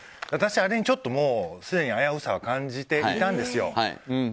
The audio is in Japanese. あれにちょっと危うさは感じていたんですよ。